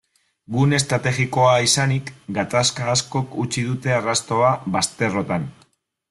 Gune estrategikoa izanik, gatazka askok utzi dute arrastoa bazterrotan.